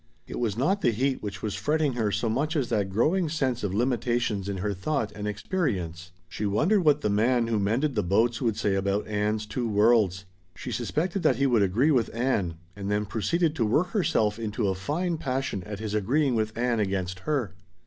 It was not the heat which was fretting her so much as that growing sense of limitations in her thought and experience. She wondered what the man who mended the boats would say about Ann's two worlds. She suspected that he would agree with Ann, and then proceeded to work herself into a fine passion at his agreeing with Ann against her.